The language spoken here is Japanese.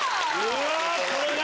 うわこれだ！